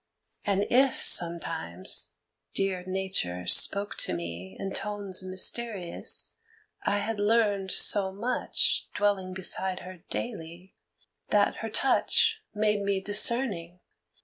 And if, sometimes, dear Nature spoke to me In tones mysterious, I had learned so much Dwelling beside her daily, that her touch Made me discerning.